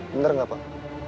bener nggak pak